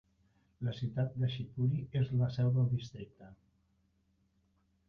La ciutat de Shivpuri és la seu del districte.